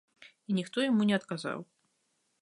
І ніхто яму не адказаў.